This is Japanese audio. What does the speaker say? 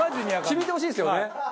決めてほしいですよね。